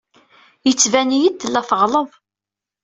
Yettban-iyi-d tella teɣleḍ.